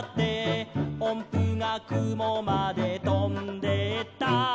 「おんぷがくもまでとんでった」